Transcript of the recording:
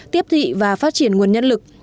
tiếp thị và phát triển nguồn nhân lực